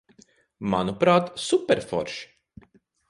Manuprāt, superforši.